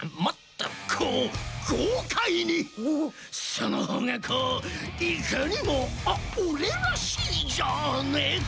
そのほうがこういかにもあっオレらしいじゃねえか？